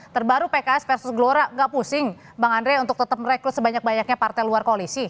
terbaru pks versus glora nggak pusing bang andre untuk tetap merekrut sebanyak banyaknya partai luar koalisi